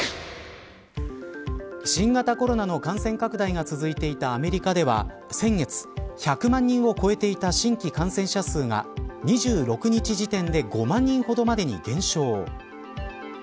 新型コロナの感染拡大が続いていたアメリカでは先月、１００万人を超えていた新規感染者数が２６日時点で５万人ほどまでに減少。